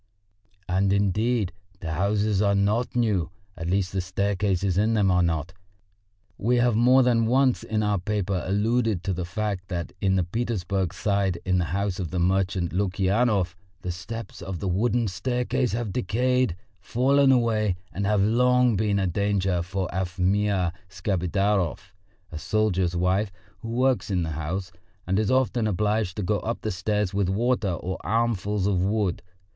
And, indeed, the houses are not new, at least the staircases in them are not. We have more than once in our paper alluded to the fact that in the Petersburg Side in the house of the merchant Lukyanov the steps of the wooden staircase have decayed, fallen away, and have long been a danger for Afimya Skapidarov, a soldier's wife who works in the house, and is often obliged to go up the stairs with water or armfuls of wood.